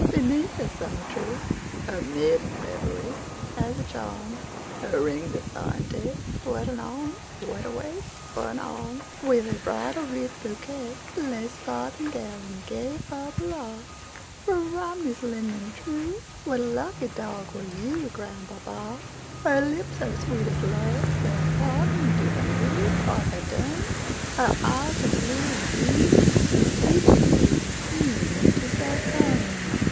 Beneath a summer tree, Her maiden reverieHas a charm; Her ringlets are in taste; What an arm!… what a waistFor an arm! With her bridal wreath, bouquet, Lace farthingale, and gayFalbala, Were Romney's limning true, What a lucky dog were you, Grandpapa! Her lips are sweet as love; They are parting! Do they move? Are they dumb? Her eyes are blue, and beamBeseechingly, and seemTo say, "Come!"